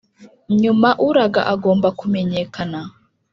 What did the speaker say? nyuma, uraga agomba kumenyekana,